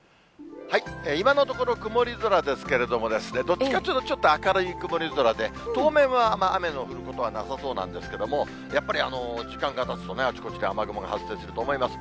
今のところ、曇り空ですけれども、どっちかというと、ちょっと明るい曇り空で、当面は雨の降ることはなさそうなんですけれども、やっぱり時間がたつとね、あちこちで雨雲が発生すると思います。